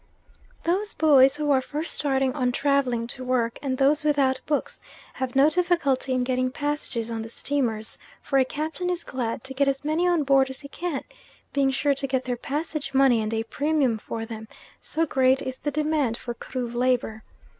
Those boys who are first starting on travelling to work, and those without books, have no difficulty in getting passages on the steamers, for a captain is glad to get as many on board as he can, being sure to get their passage money and a premium for them, so great is the demand for Kru labour.